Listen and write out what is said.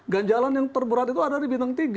ganjalan yang terberat itu ada di bintang tiga